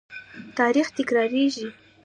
تاریخ تکراریږي